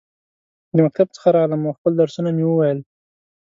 د مکتب څخه راغلم ، او خپل درسونه مې وویل.